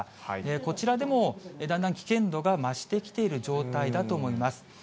こちらでもだんだん危険度が増してきている状態だと思います。